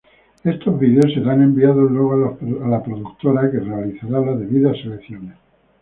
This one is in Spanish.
Estos videos serán enviados luego a la productora que realizará las debidas selecciones.